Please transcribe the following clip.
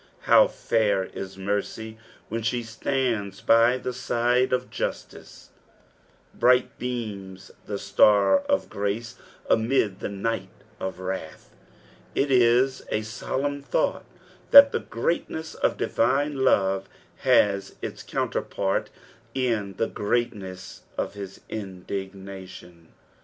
How fair is mercy when she atands by the side of justice I Bright beams the star of grace amid the night of wrath ! It is a solemn thon^ that the greatness of divine love has its counterpart in the greatness of Bis indignation.